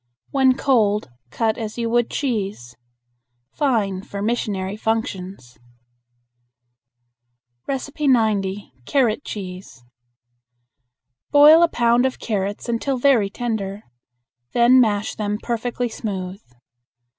When cold cut as you would cheese. Fine for missionary functions. 90. Carrot Cheese. Boil a pound of carrots until very tender. Then mash them perfectly smooth.